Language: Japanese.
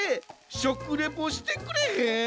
しょくレポしてくれへん？